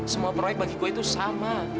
semua proyek bagi gue itu sama